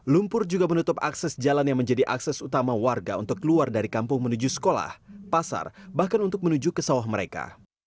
lumpur juga menutup akses jalan yang menjadi akses utama warga untuk keluar dari kampung menuju sekolah pasar bahkan untuk menuju ke sawah mereka